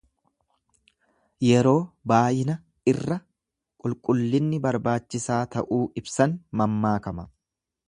Yeroo baayina irra qulqullinni barbaachisaa ta'uu ibsan mammaakama.